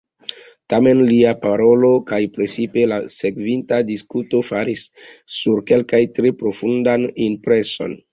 Tamen lia parolo, kaj precipe la sekvinta diskuto, faris sur kelkajn tre profundan impreson.